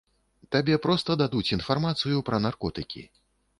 Табе проста дадуць інфармацыю пра наркотыкі.